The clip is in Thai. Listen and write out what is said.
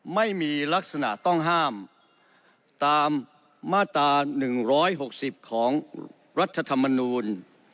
ไม่มีลักษณะต้องห้ามตามมาตราหนึ่งร้อยหกสิบของรัฐธรรมนูญ